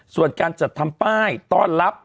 ส่วนการจัดทำป้ายต้อนรับ